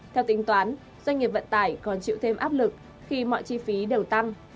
theo tính toán doanh nghiệp vận tải còn chịu thêm áp lực khi mọi chi phí đều tăng